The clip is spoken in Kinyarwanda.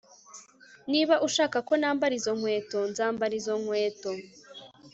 niba ushaka ko nambara izo nkweto, nzambara izo nkweto